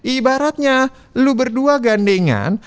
ibaratnya elu berdua gandengan